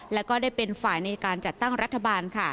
แล้วก็ได้เป็นฝ่ายในการจัดตั้งรัฐบาล